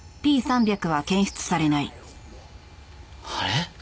あれ？